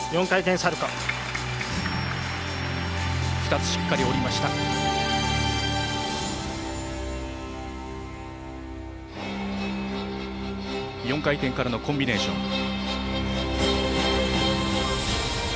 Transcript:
４回転からのコンビネーション。